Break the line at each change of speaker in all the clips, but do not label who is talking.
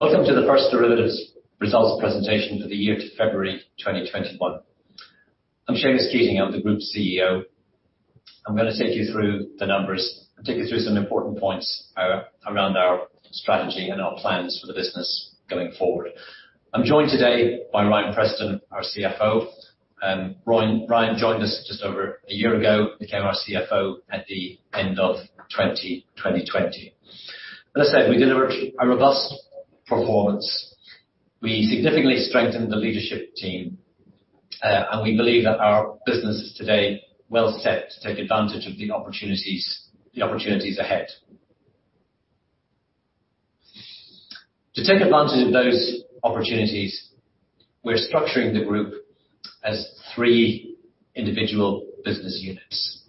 Welcome to the First Derivatives results presentation for the year to February 2021. I'm Seamus Keating, I'm the Group CEO. I'm going to take you through the numbers and take you through some important points around our strategy and our plans for the business going forward. I'm joined today by Ryan Preston, our CFO. Ryan joined us just over a year ago, became our CFO at the end of 2020. As I said, we did a robust performance. We significantly strengthened the leadership team. We believe that our business is today well set to take advantage of the opportunities ahead. To take advantage of those opportunities, we're structuring the group as three individual business units.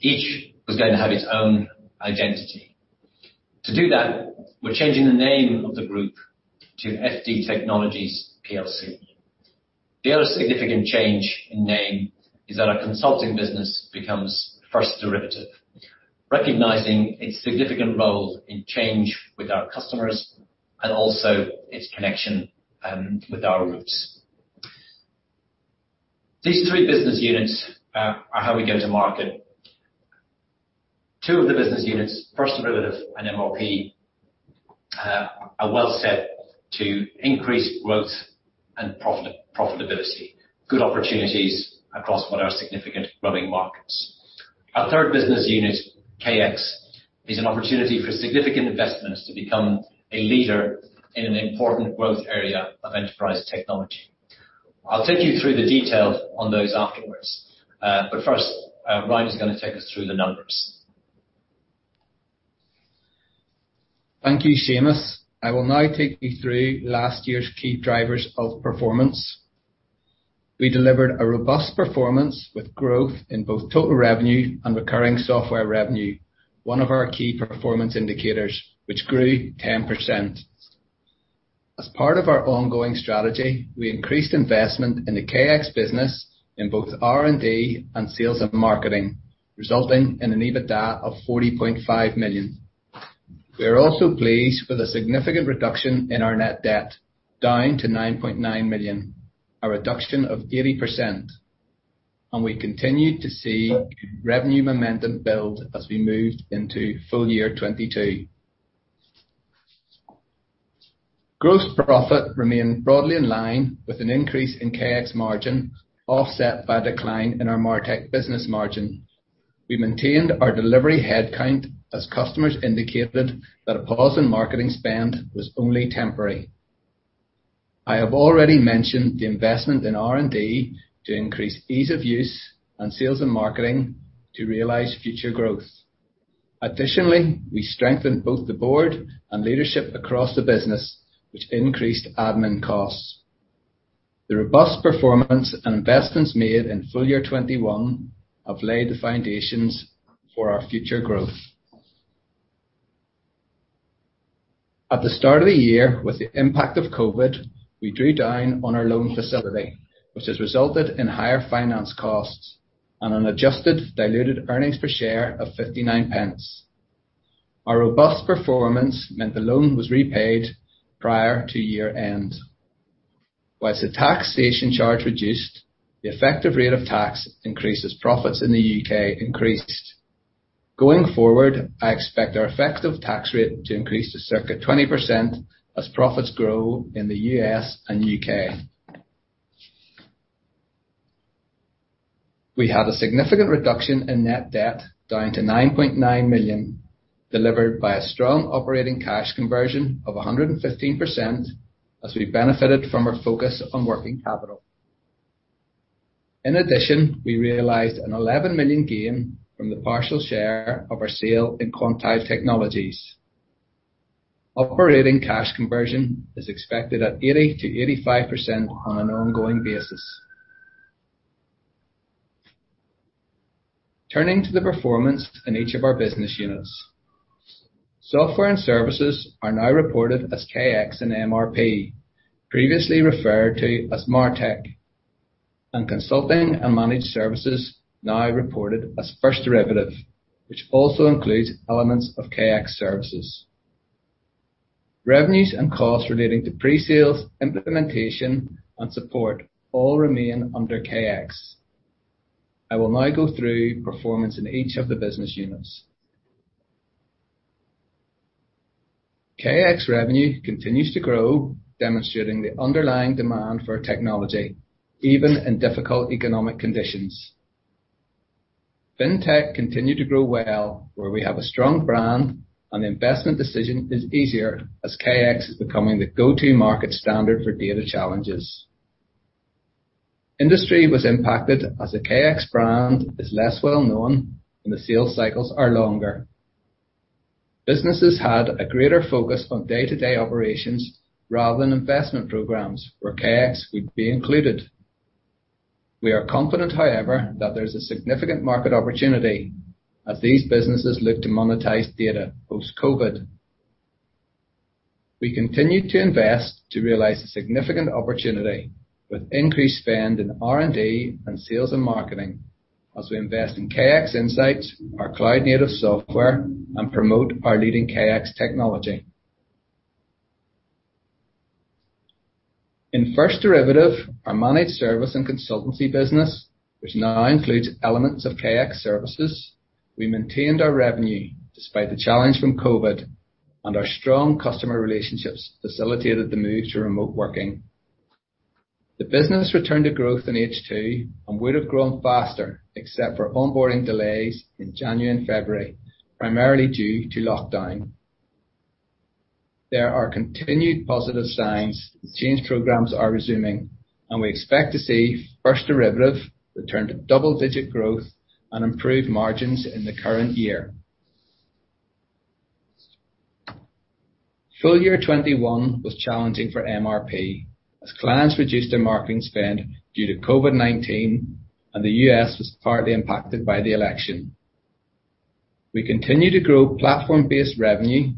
Each is going to have its own identity. To do that, we're changing the name of the group to FD Technologies plc. The other significant change in name is that our consulting business becomes First Derivatives, recognizing its significant role in change with our customers and also its connection with our roots. These three business units are how we go to market. Two of the business units, First Derivatives and MRP, are well set to increase growth and profitability. Good opportunities across what are significant growing markets. Our third business unit, KX, is an opportunity for significant investments to become a leader in an important growth area of enterprise technology. I'll take you through the details on those afterwards. First, Ryan's going to take us through the numbers.
Thank you, Seamus. I will now take you through last year's key drivers of performance. We delivered a robust performance with growth in both total revenue and recurring software revenue, one of our key performance indicators, which grew 10%. As part of our ongoing strategy, we increased investment in the KX business in both R&D and sales and marketing, resulting in an EBITDA of 40.5 million. We are also pleased with the significant reduction in our net debt, down to 9.9 million, a reduction of 80%. We continued to see revenue momentum build as we moved into full year 2022. Gross profit remained broadly in line with an increase in KX margin, offset by decline in our MarTech business margin. We maintained our delivery headcount as customers indicated that a pause in marketing spend was only temporary. I have already mentioned the investment in R&D to increase ease of use and sales and marketing to realize future growth. Additionally, we strengthened both the board and leadership across the business, which increased admin costs. The robust performance and investments made in full year 2021 have laid the foundations for our future growth. At the start of the year, with the impact of COVID, we drew down on our loan facility, which has resulted in higher finance costs and an adjusted diluted earnings per share of 0.59. Our robust performance meant the loan was repaid prior to year end. Whilst the taxation charge reduced, the effective rate of tax increase as profits in the U.K. increased. Going forward, I expect our effective tax rate to increase to circa 20% as profits grow in the U.S. and U.K. We had a significant reduction in net debt down to 9.9 million, delivered by a strong operating cash conversion of 115% as we benefited from our focus on working capital. We realized an 11 million gain from the partial share of our sale in Quantile Technologies. Operating cash conversion is expected at 80%-85% on an ongoing basis. Turning to the performance in each of our business units. Software and services are now reported as KX and MRP, previously referred to as MarTech. Consulting and managed services now reported as First Derivatives, which also includes elements of KX services. Revenues and costs relating to pre-sales, implementation, and support all remain under KX. I will now go through performance in each of the business units. KX revenue continues to grow, demonstrating the underlying demand for technology, even in difficult economic conditions. Fintech continued to grow well, where we have a strong brand and the investment decision is easier as KX is becoming the go-to market standard for data challenges. Industry was impacted as the KX brand is less well known and the sales cycles are longer. Businesses had a greater focus on day-to-day operations rather than investment programs where KX would be included. We are confident, however, that there's a significant market opportunity as these businesses look to monetize data post-COVID. We continued to invest to realize significant opportunity with increased spend in R&D and sales and marketing. As we invest in KX Insights, our cloud-native software, and promote our leading KX technology. In First Derivatives, our managed service and consultancy business, which now includes elements of KX services, we maintained our revenue despite the challenge from COVID, and our strong customer relationships facilitated the move to remote working. The business returned to growth in H2 and would have grown faster except for onboarding delays in January and February, primarily due to lockdown. There are continued positive signs that change programs are resuming, and we expect to see First Derivatives return to double-digit growth and improved margins in the current year. Full year 2021 was challenging for MRP as clients reduced their marketing spend due to COVID-19 and the U.S. was partly impacted by the election. We continue to grow platform-based revenue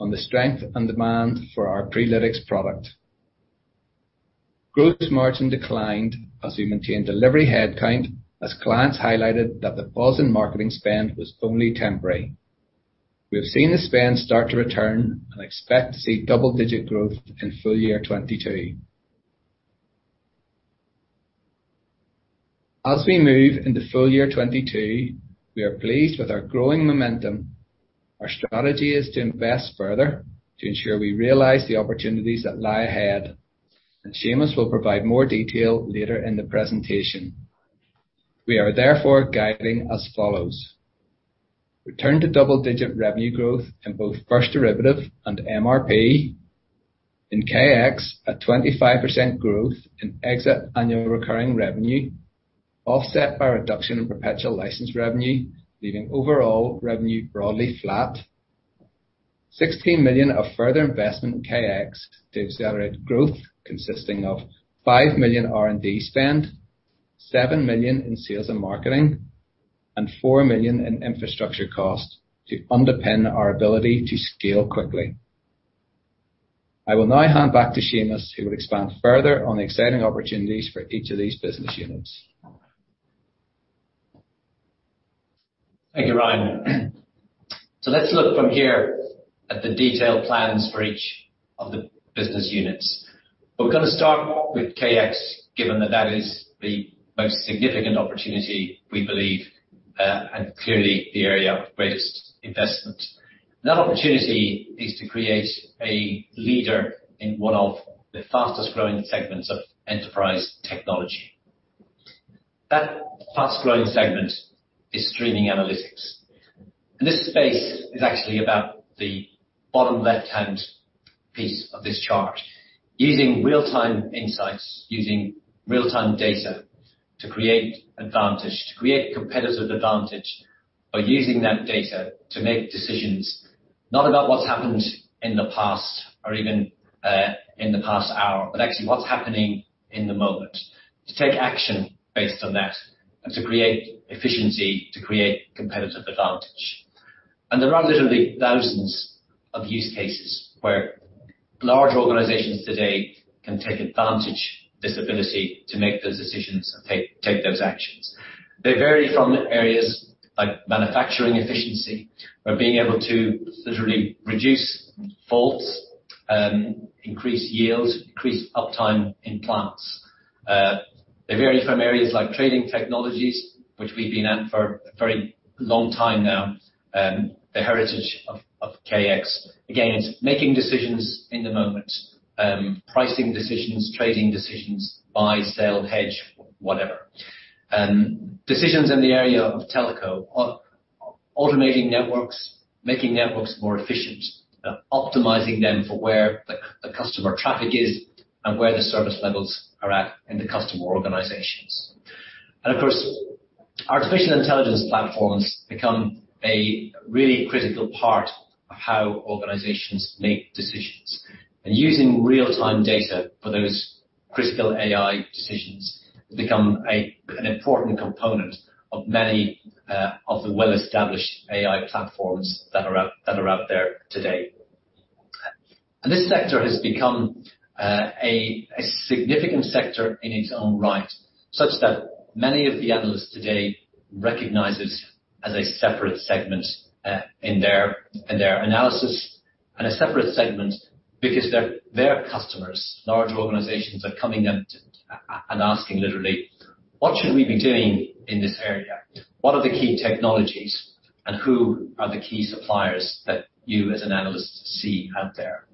on the strength and demand for our Prelytix product. Gross margin declined as we maintained delivery headcount, as clients highlighted that the pause in marketing spend was only temporary. We have seen the spend start to return and expect to see double-digit growth in full year 2022. As we move into full year 2022, we are pleased with our growing momentum. Our strategy is to invest further to ensure we realize the opportunities that lie ahead. Seamus will provide more detail later in the presentation. We are therefore guiding as follows. Return to double-digit revenue growth in both First Derivatives and MRP. In KX, a 25% growth in exit annual recurring revenue offset by a reduction in perpetual license revenue, leaving overall revenue broadly flat. 16 million of further investment in KX to accelerate growth consisting of 5 million R&D spend, 7 million in sales and marketing, and 4 million in infrastructure cost to underpin our ability to scale quickly. I will now hand back to Seamus, who will expand further on the exciting opportunities for each of these business units.
Thank you, Ryan. Let's look from here at the detailed plans for each of the business units. We're going to start with KX, given that that is the most significant opportunity, we believe, and clearly the area of greatest investment. The opportunity is to create a leader in one of the fastest-growing segments of enterprise technology. That fast-growing segment is streaming analytics. This space is actually about the bottom left-hand piece of this chart. Using real-time insights, using real-time data to create advantage, to create competitive advantage by using that data to make decisions, not about what's happened in the past or even in the past hour, but actually what's happening in the moment. To take action based on that and to create efficiency, to create competitive advantage. There are literally thousands of use cases where large organizations today can take advantage of this ability to make those decisions and take those actions. They vary from areas like manufacturing efficiency, where being able to literally reduce faults, increase yield, increase uptime in plants. They vary from areas like trading technologies, which we've been at for a very long time now. The heritage of KX, again, is making decisions in the moment, pricing decisions, trading decisions, buy, sell, hedge, whatever. Decisions in the area of telco on automating networks, making networks more efficient, optimizing them for where the customer traffic is and where the service levels are at in the customer organizations. Of course, artificial intelligence platforms become a really critical part of how organizations make decisions. Using real-time data for those critical AI decisions has become an important component of many of the well-established AI platforms that are out there today. This sector has become a significant sector in its own right, such that many of the analysts today recognize it as a separate segment in their analysis. A separate segment because their customers, large organizations, are coming and asking literally, "What should we be doing in this area? What are the key technologies and who are the key suppliers that you as an analyst see out there?"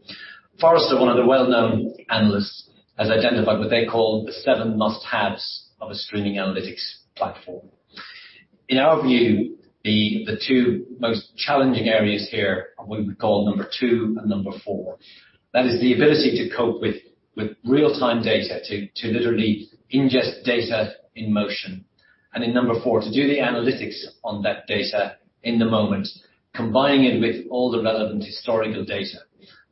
Forrester, one of the well-known analysts, has identified what they call the seven must-haves of a streaming analytics platform. In our view, the two most challenging areas here are what we call number two and number four. That is the ability to cope with real-time data, to literally ingest data in motion. In number four, to do the analytics on that data in the moment, combining it with all relevant historical data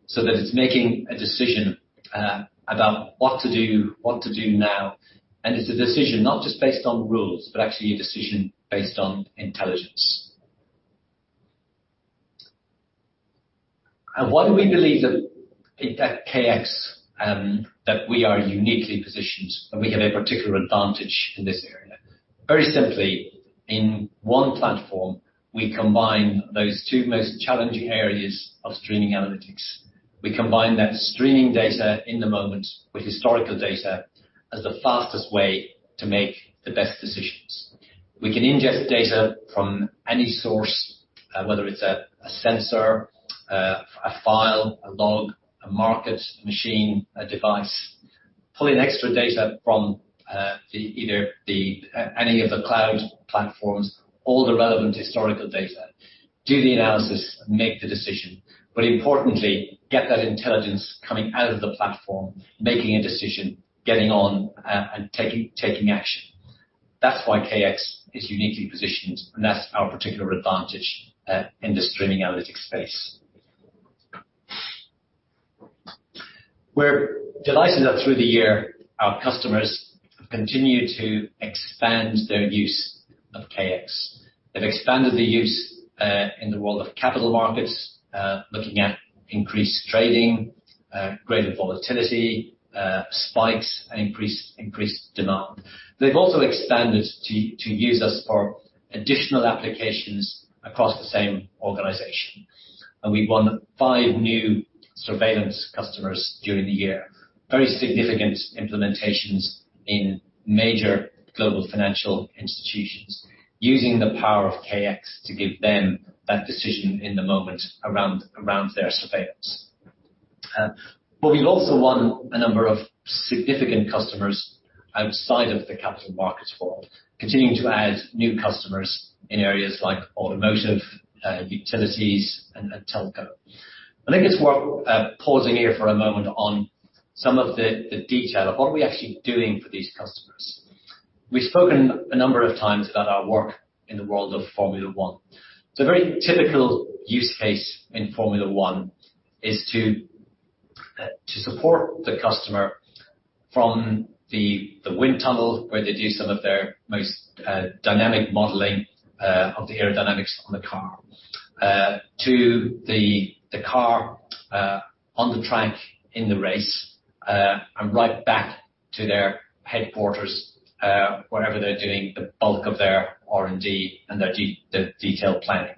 so that it's making a decision about what to do now. It's a decision not just based on rules, but actually a decision based on intelligence. Why do we believe that at KX that we are uniquely positioned, and we get a particular advantage in this area? Very simply, in one platform, we combine those two most challenging areas of streaming analytics. We combine that streaming data in the moment with historical data as the fastest way to make the best decisions. We can ingest data from any source, whether it's a sensor, a file, a log, a market, a machine, a device, pull in extra data from either any of the cloud platforms, all the relevant historical data, do the analysis, and make the decision. Importantly, get that intelligence coming out of the platform, making a decision, getting on, and taking action. That's why KX is uniquely positioned, and that's our particular advantage in the streaming analytics space. We're delighted that through the year, our customers have continued to expand their use of KX. They've expanded the use in the world of capital markets, looking at increased trading, greater volatility, spikes, and increased demand. They've also expanded to use us for additional applications across the same organization, and we won five new surveillance customers during the year. Very significant implementations in major global financial institutions using the power of KX to give them that decision in the moment around their surveillance. We've also won a number of significant customers outside of the capital markets world, continuing to add new customers in areas like automotive, utilities, and telco. I think it's worth pausing here for a moment on some of the detail of what are we actually doing for these customers. We've spoken a number of times about our work in the world of Formula One. A very typical use case in Formula One is to support the customer from the wind tunnel, where they do some of their most dynamic modeling of the aerodynamics on the car, to the car on the track in the race, and right back to their headquarters, wherever they're doing the bulk of their R&D and their detailed planning.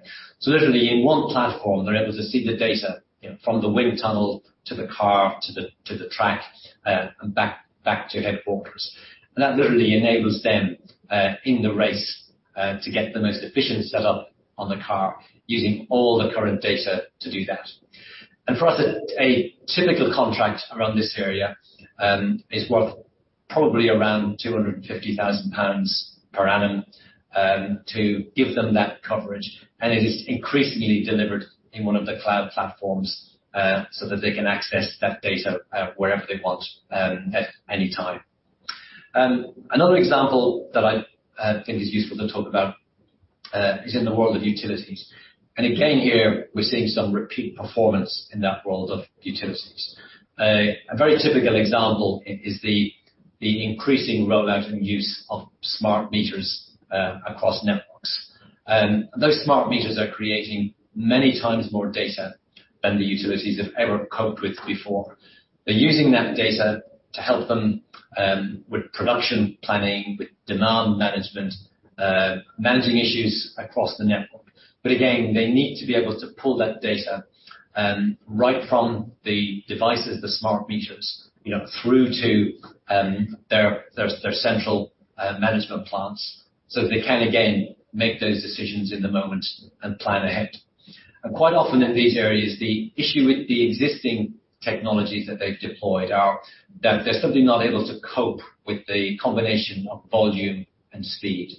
Literally in one platform, they're able to see the data from the wind tunnel to the car to the track, and back to headquarters. That literally enables them in the race to get the most efficient setup on the car using all the current data to do that. For us, a typical contract around this area is worth probably around 250,000 pounds per annum, to give them that coverage, and is increasingly delivered in one of the cloud platforms, so that they can access that data wherever they want at any time. Another example that I think is useful to talk about is in the world of utilities. Again, here we're seeing some repeat performance in that world of utilities. A very typical example is the increasing rollout and use of smart meters across networks. Those smart meters are creating many times more data than the utilities have ever coped with before. They're using that data to help them with production planning, with demand management, managing issues across the network. Again, they need to be able to pull that data right from the devices, the smart meters, through to their central management platforms so that they can, again, make those decisions in the moment and plan ahead. Quite often in these areas, the issue with the existing technologies that they've deployed are that they're simply not able to cope with the combination of volume and speed.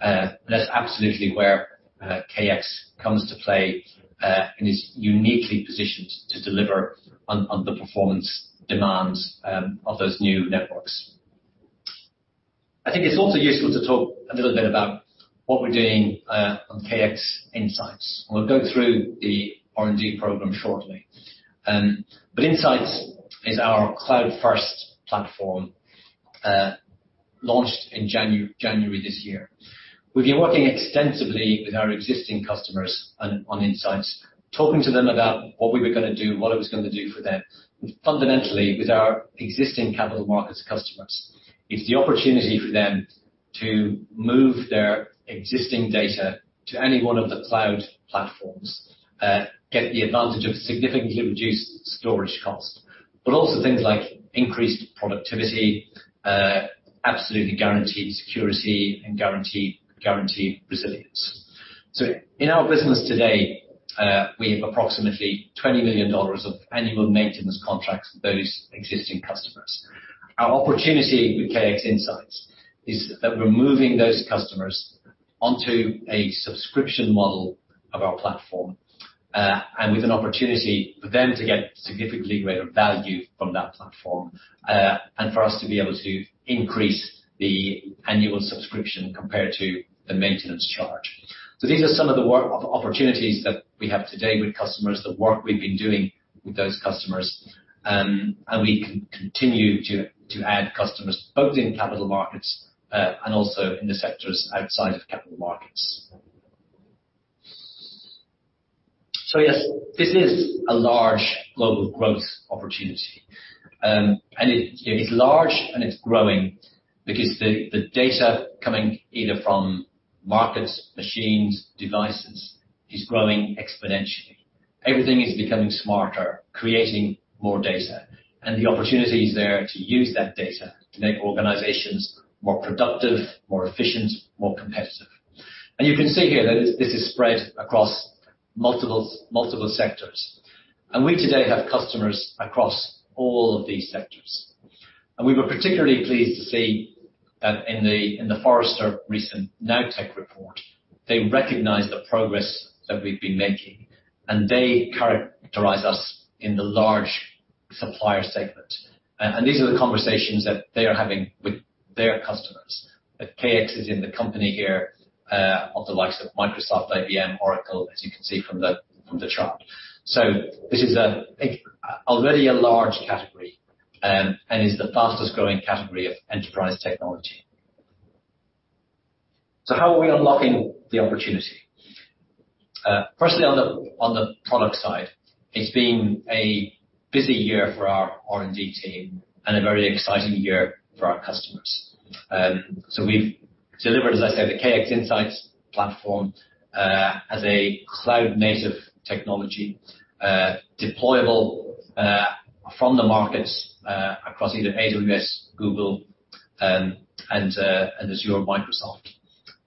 That's absolutely where KX comes to play and is uniquely positioned to deliver on the performance demands of those new networks. I think it's also useful to talk a little bit about what we're doing on KX Insights. We'll go through the R&D program shortly. Insights is our cloud-first platform, launched in January this year. We've been working extensively with our existing customers on Insights, talking to them about what we were going to do and what it was going to do for them. Fundamentally, with our existing capital markets customers, it's the opportunity for them to move their existing data to any one of the cloud platforms, get the advantage of significantly reduced storage cost, but also things like increased productivity, absolutely guaranteed security, and guaranteed resilience. In our business today, we have approximately $20 million of annual maintenance contracts with those existing customers. Our opportunity with KX Insights is that we're moving those customers onto a subscription model of our platform, and with an opportunity for them to get significantly greater value from that platform, and for us to be able to increase the annual subscription compared to the maintenance charge. These are some of the work opportunities that we have today with customers, the work we've been doing with those customers, and we can continue to add customers both in capital markets, and also in the sectors outside of capital markets. Yes, this is a large global growth opportunity. It's large and it's growing because the data coming either from markets, machines, devices, is growing exponentially. Everything is becoming smarter, creating more data, and the opportunity is there to use that data to make organizations more productive, more efficient, more competitive. You can see here that this is spread across multiple sectors. We today have customers across all of these sectors. We were particularly pleased to see in the Forrester recent Now Tech report, they recognized the progress that we've been making, and they characterized us in the large supplier segment. These are the conversations that they're having with their customers. That KX is in the company here of the likes of Microsoft, IBM, Oracle, as you can see from the chart. This is already a large category and is the fastest-growing category of enterprise technology. How are we unlocking the opportunity? Firstly, on the product side, it's been a busy year for our R&D team and a very exciting year for our customers. We've delivered, as I said, the KX Insights platform, as a cloud-native technology, deployable from the markets across either AWS, Google, and Azure Microsoft.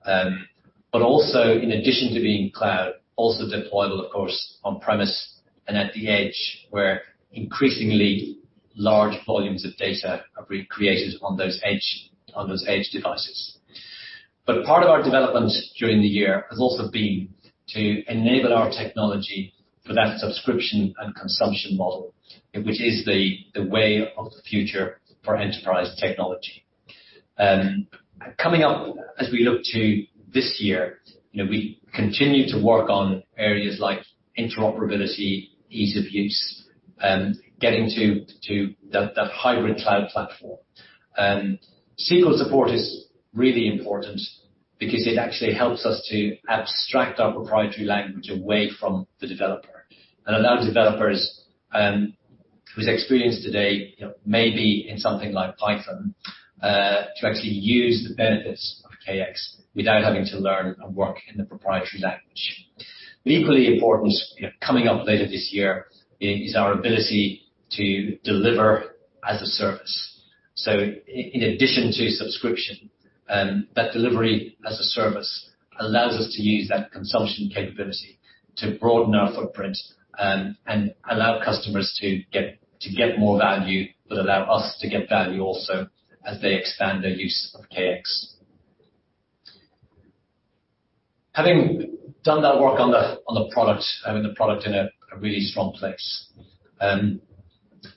In addition to being cloud, also deployable, of course, on-premise and at the edge, where increasingly large volumes of data are being created on those edge devices. Part of our development during the year has also been to enable our technology for that subscription and consumption model, which is the way of the future for enterprise technology. Coming up as we look to this year, we continue to work on areas like interoperability, ease of use, getting to that hybrid cloud platform. SQL support is really important because it actually helps us to abstract our proprietary language away from the developer and allow developers whose experience today may be in something like Python, to actually use the benefits of KX without having to learn and work in a proprietary language. Equally important, coming up later this year, is our ability to deliver as a service. In addition to subscription, that delivery as a service allows us to use that consumption capability to broaden our footprint and allow customers to get more value, but allow us to get value also as they expand their use of KX. Having done that work on the product, having the product in a really strong place,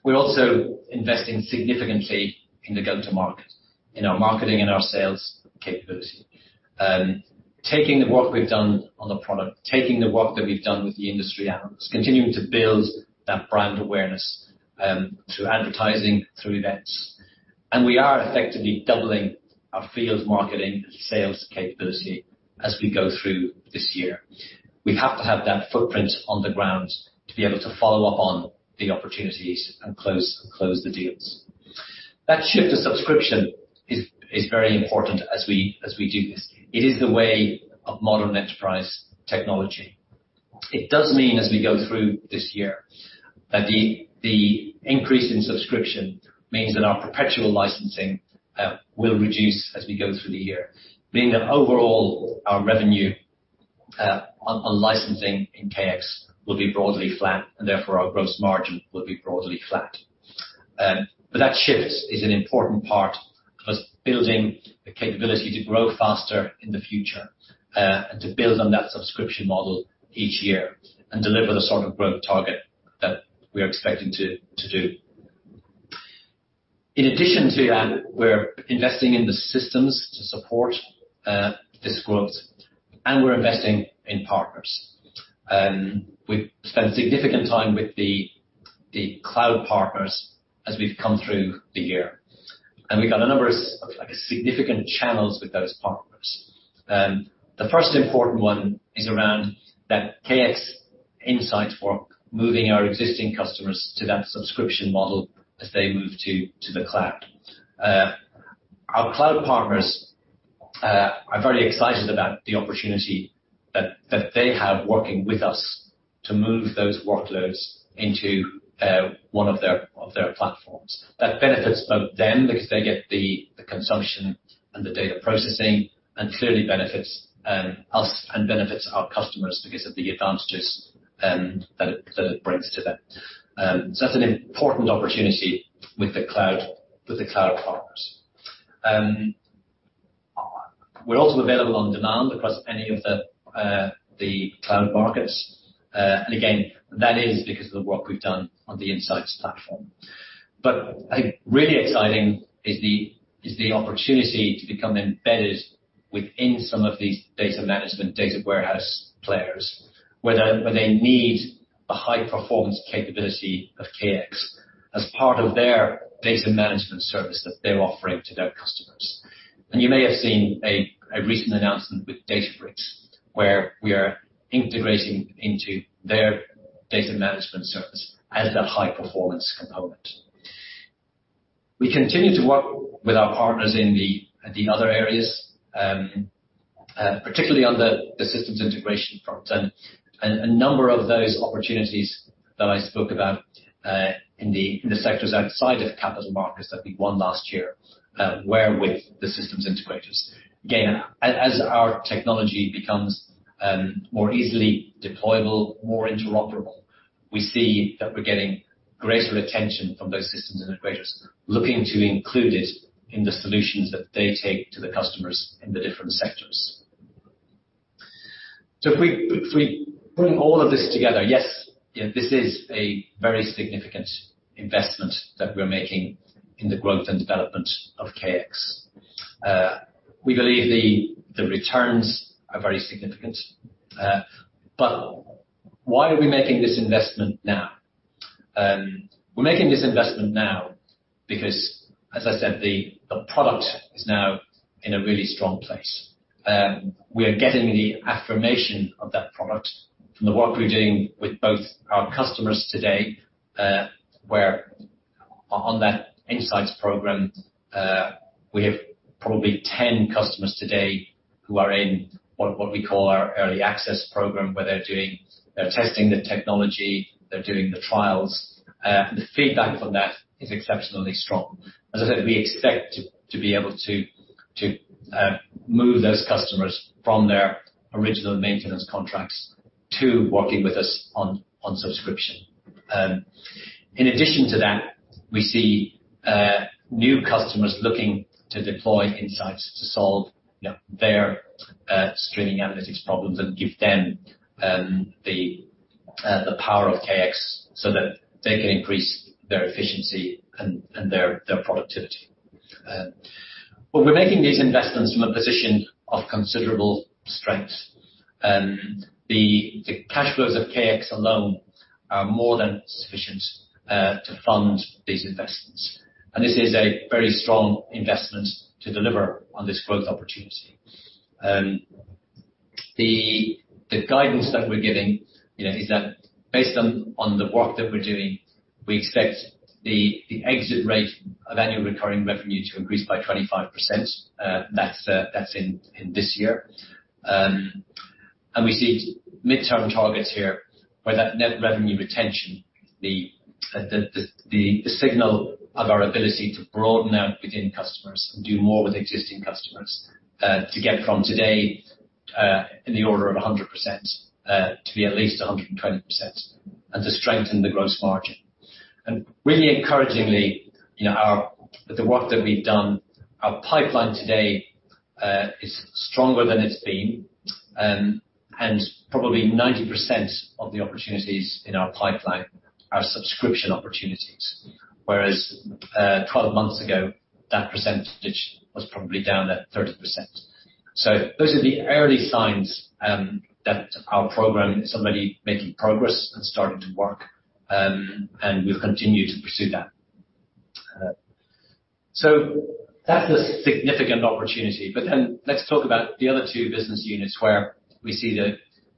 we're also investing significantly in the go-to-market, in our marketing and our sales capability. Taking the work we've done on the product, taking the work that we've done with the industry analysts, continuing to build that brand awareness through advertising, through events. We are effectively doubling our field marketing sales capability as we go through this year. We have to have that footprint on the ground to be able to follow on the opportunities and close the deals. That shift to subscription is very important as we do this. It is the way of modern enterprise technology. It does mean as we go through this year, that the increase in subscription means that our perpetual licensing will reduce as we go through the year. Meaning that overall, our revenue on licensing in KX will be broadly flat, and therefore our gross margin will be broadly flat. That shift is an important part of us building the capability to grow faster in the future, and to build on that subscription model each year and deliver the sort of growth target that we're expecting to do. In addition to that, we're investing in the systems to support this growth, and we're investing in partners. We've spent significant time with the cloud partners as we've come through the year, and we've got a number of significant channels with those partners. The first important one is around that KX Insights work, moving our existing customers to that subscription model as they move to the cloud. Our cloud partners are very excited about the opportunity that they have working with us to move those workloads into one of their platforms. That benefits both them because they get the consumption and the data processing, and clearly benefits us and benefits our customers because of the advantages that it brings to them. That's an important opportunity with the cloud partners. We're also available on demand across any of the cloud markets. Again, that is because of the work we've done on the Insights platform. Really exciting is the opportunity to become embedded within some of these data management, data warehouse players where they need the high-performance capability of KX as part of their data management service that they're offering to their customers. You may have seen a recent announcement with Databricks, where we are integrating into their data management service as a high-performance component. We continue to work with our partners in the other areas, particularly on the systems integration front. A number of those opportunities that I spoke about in the sectors outside of capital markets that we won last year were with the systems integrators. Again, as our technology becomes more easily deployable, more interoperable, we see that we're getting greater attention from those systems integrators looking to include it in the solutions that they take to the customers in the different sectors. If we bring all of this together, yes, this is a very significant investment that we're making in the growth and development of KX. We believe the returns are very significant. Why are we making this investment now? We're making this investment now because, as I said, the product is now in a really strong place. We are getting the affirmation of that product from the work we're doing with both our customers today, where on that Insights program, we have probably 10 customers today who are in what we call our early access program, where they're testing the technology, they're doing the trials. The feedback on that is exceptionally strong. As I said, we expect to be able to move those customers from their original maintenance contracts to working with us on subscription. In addition to that, we see new customers looking to deploy Insights to solve their streaming analytics problems and give them the power of KX so that they can increase their efficiency and their productivity. Well, we're making these investments from a position of considerable strength. The cash flows of KX alone are more than sufficient to fund these investments. This is a very strong investment to deliver on this growth opportunity. The guidance that we're giving is that based on the work that we're doing, we expect the exit rate of annual recurring revenue to increase by 25%. That's in this year. We see mid-term targets here where that net revenue retention, the signal of our ability to broaden out within customers and do more with existing customers to get from today in the order of 100% to be at least 120% and to strengthen the gross margin. Really encouragingly, the work that we've done, our pipeline today is stronger than it's been. Probably 90% of the opportunities in our pipeline are subscription opportunities, whereas 12 months ago, that percentage was probably down at 30%. Those are the early signs that our program is already making progress and starting to work, and we'll continue to pursue that. That's a significant opportunity. Let's talk about the other two business units where we see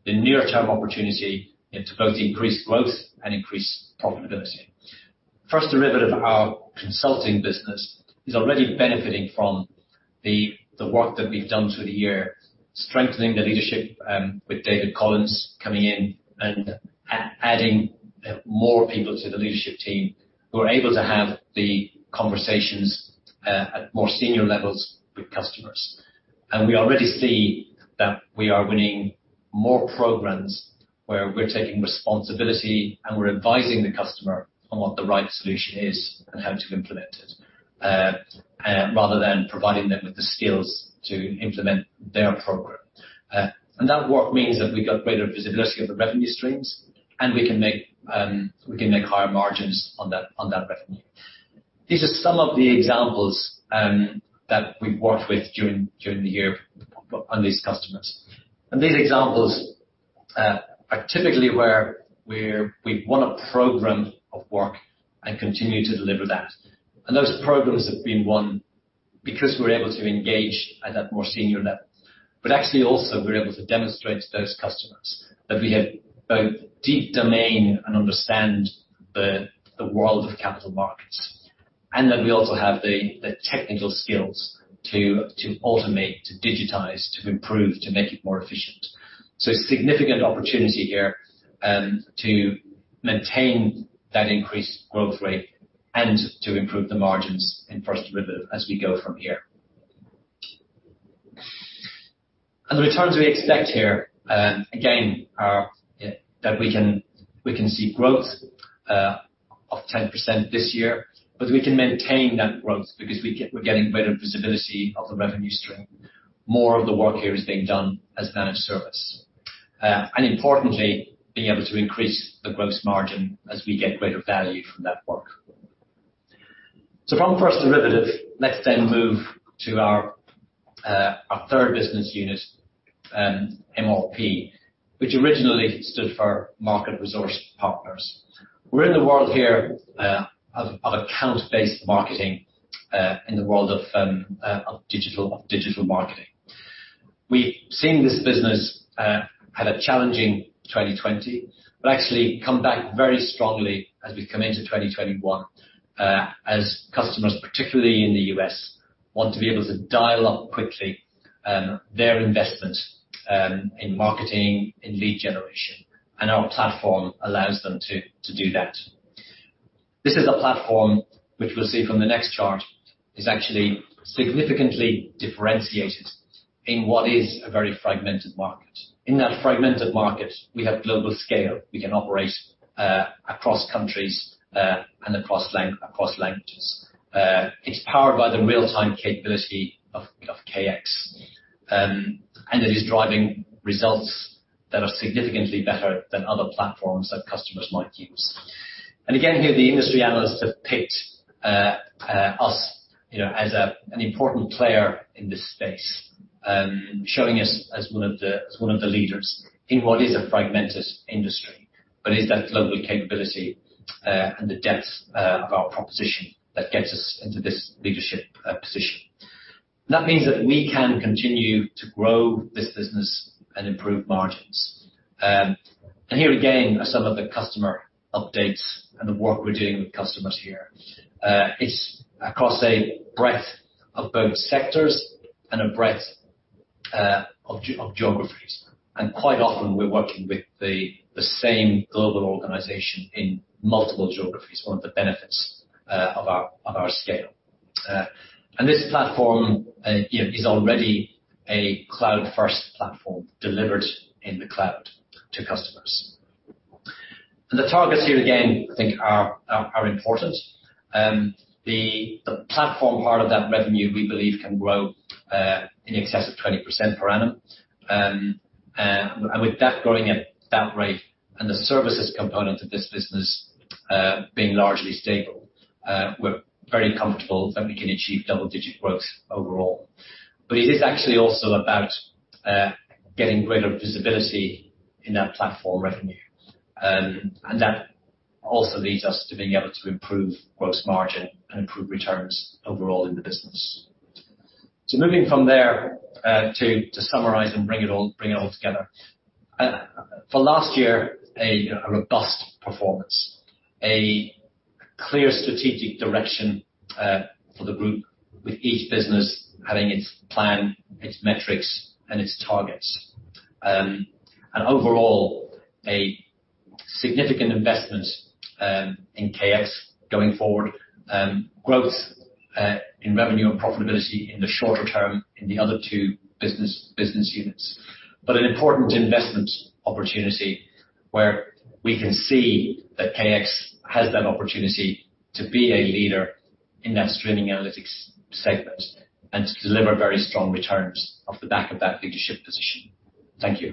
the near-term opportunity into both increased growth and increased profitability. First Derivatives, our consulting business is already benefiting from the work that we've done through the year, strengthening the leadership with David Collins coming in and adding more people to the leadership team who are able to have the conversations at more senior levels with customers. We already see that we are winning more programs where we're taking responsibility, and we're advising the customer on what the right solution is and how to implement it, rather than providing them with the skills to implement their program. That work means that we've got greater visibility of the revenue streams, and we can make higher margins on that revenue. These are some of the examples that we've worked with during the year on these customers. These examples are typically where we've won a program of work and continue to deliver that. Those programs have been won because we are able to engage at that more senior level. Actually, also we are able to demonstrate to those customers that we have both deep domain and understand the world of capital markets, and that we also have the technical skills to automate, to digitize, to improve, to make it more efficient. A significant opportunity here to maintain that increased growth rate and to improve the margins in First Derivatives as we go from here. The returns we expect here, again, are that we can see growth of 10% this year, but we can maintain that growth because we are getting better visibility of the revenue stream. More of the work here is being done as managed service. Importantly, being able to increase the gross margin as we get greater value from that work. From First Derivatives, let's then move to our third business unit MRP, which originally stood for Market Resource Partners. We're in the world here of account-based marketing in the world of digital marketing. We've seen this business had a challenging 2020, but actually come back very strongly as we come into 2021, as customers, particularly in the U.S., want to be able to dial up quickly their investment in marketing and lead generation, and our platform allows them to do that. This is a platform which we'll see from the next chart, is actually significantly differentiated in what is a very fragmented market. In that fragmented market, we have global scale. We can operate across countries and across languages. It's powered by the real-time capability of KX, and it is driving results that are significantly better than other platforms that customers might use. Again, here, the industry analysts have picked us as an important player in this space, showing us as one of the leaders in what is a fragmented industry. It is that global capability and the depth of our proposition that gets us into this leadership position. That means that we can continue to grow this business and improve margins. Here again, are some of the customer updates and the work we're doing with customers here. It's across a breadth of both sectors and a breadth of geographies. Quite often we're working with the same global organization in multiple geographies, one of the benefits of our scale. This platform is already a cloud-first platform delivered in the cloud to customers. The targets here, again, I think are important. The platform part of that revenue, we believe can grow in excess of 20% per annum. With that growing at that rate and the services component of this business being largely stable, we're very comfortable that we can achieve double-digit growth overall. It is actually also about getting greater visibility in that platform revenue. That also leads us to being able to improve gross margin and improve returns overall in the business. Moving from there to summarize and bring it all together. For last year, a robust performance, a clear strategic direction for the group with each business having its plan, its metrics, and its targets. Overall, a significant investment in KX going forward, growth in revenue and profitability in the shorter term in the other two business units. An important investment opportunity where we can see that KX has that opportunity to be a leader in that streaming analytics segment and to deliver very strong returns off the back of that leadership position. Thank you.